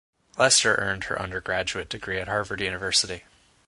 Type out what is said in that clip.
Lester earned her undergraduate degree at Harvard University.